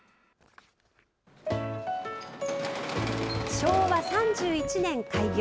昭和３１年開業。